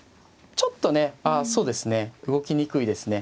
ちょっとねあそうですね動きにくいですね。